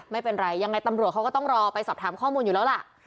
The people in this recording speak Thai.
ไม่เป็นไรยังไงตำรวจเขาก็ต้องรอไปสอบถามข้อมูลอยู่แล้วล่ะ